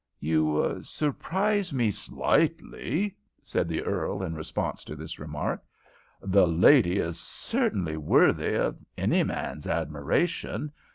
"You surprise me slightly," said the earl, in response to this remark. "The lady is certainly worthy of any man's admiration.